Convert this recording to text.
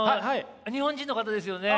日本人の方ですよね？